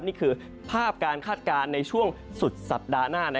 นี่คือภาพการคาดการณ์ในช่วงสุดสัปดาห์หน้า